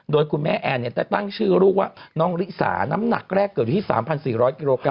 โดยคุณแม่แอนได้ตั้งชื่อลูกว่าน้องริสาน้ำหนักแรกเกิดอยู่ที่๓๔๐๐กิโลกรั